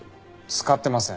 使ってません。